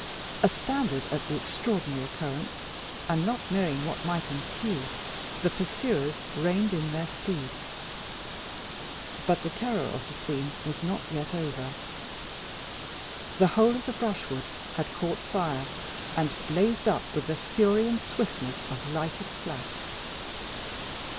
Astounded at the extraordinary occurrence, and not knowing what might ensue, the pursuers reined in their steeds. But the terror of the scene was not yet over. The whole of the brushwood had caught fire, and blazed up with the fury and swiftness of lighted flax.